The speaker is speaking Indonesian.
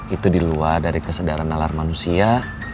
itu diluar dari kesedaran alat manusia